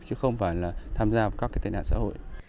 chứ không phải là tham gia vào các tên hạn xã hội